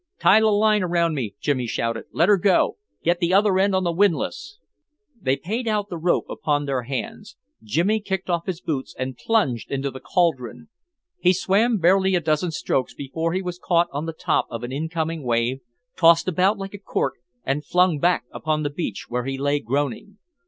"Tie the line around me," Jimmy shouted. "Let her go. Get the other end on the windlass." They paid out the rope through their hands. Jimmy kicked off his boots and plunged into the cauldron. He swam barely a dozen strokes before he was caught on the top of an incoming wave, tossed about like a cork and flung back upon the beach, where he lay groaning.